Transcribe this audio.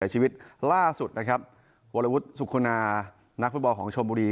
ชีวิตล่าสุดนะครับวรวุฒิสุขคุณานักฟุตบอลของชมบุรี